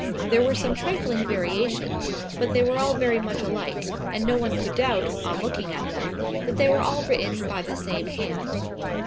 There were some trifling variations, but they were all very much alike, and no one could doubt, on looking at them, that they were all written by the same hand.